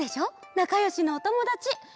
なかよしのおともだち。